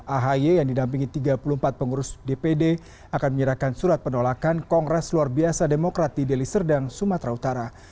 ahy yang didampingi tiga puluh empat pengurus dpd akan menyerahkan surat penolakan kongres luar biasa demokrat di deli serdang sumatera utara